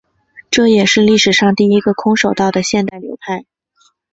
这也是历史上第一个空手道的现代流派。